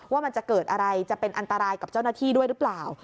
ว่ามันจะเกิดอะไรจะเป็นอันตรายกับเจ้าหน้าที่ด้วยหรือเปล่า